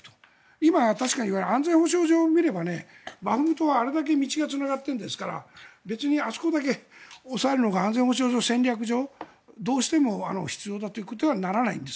今は確かに安全保障上、見ればバフムトはあれだけ道がつながっているんですから別にあそこだけ押さえるのが安全保障上、戦略上どうしても必要だということにはならないんです